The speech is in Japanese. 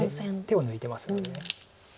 手を抜いてますんで。